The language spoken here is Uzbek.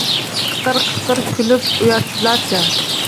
Qiqir-qiqir kulib uyatsizlarcha